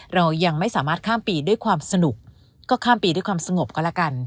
เรายังไม่สามารถข้ามปีด้วยความสนุกก็ข้ามปีด้วยความสงบก็แล้วกัน